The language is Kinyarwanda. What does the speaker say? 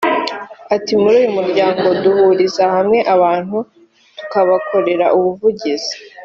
Ati “Muri uyu muryango duhuriza hamwe abantu tukabakorera ubuvugizi